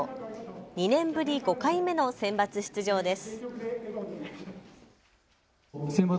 ２年ぶり５回目のセンバツ出場です。